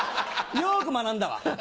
よく学んだわ！